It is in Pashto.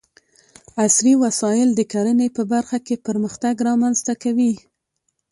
عصري وسايل د کرنې په برخه کې پرمختګ رامنځته کوي.